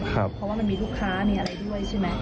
เพราะว่ามันมีลูกค้ามีอะไรด้วยใช่ไหม